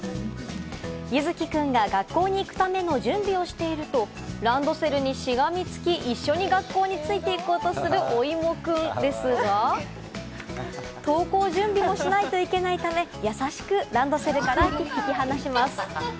ゆづきくんが学校に行くための準備をしていると、ランドセルにしがみつき、一緒に学校について行こうとする、おいもくんですが、登校準備もしないといけないため、優しくランドセルから引き離します。